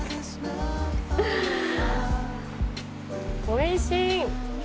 おいしい！